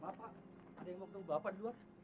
bapak ada yang mau ketemu bapak di luar